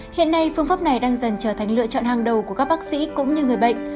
hiện nay phương pháp này đang dần trở thành lựa chọn hàng đầu của các bác sĩ cũng như người bệnh